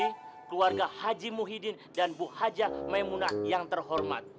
keluarga haji muhyiddin dan bu haja maimunah yang terhormat